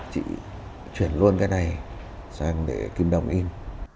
chị chuyển luôn cái này sang để kim đồng in